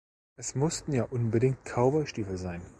Es mussten ja unbedingt Cowboystiefel sein.